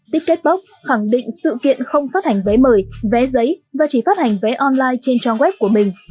tiketbox khẳng định sự kiện không phát hành vé mời vé giấy và chỉ phát hành vé online trên trang web của mình